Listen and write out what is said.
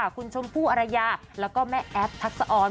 คุณชมพู่อรยาแล้วก็แม่แอฟทักษะออน